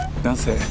男性。